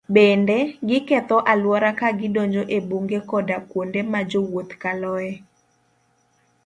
Bende, giketho alwora ka gidonjo e bunge koda kuonde ma jowuoth kaloe.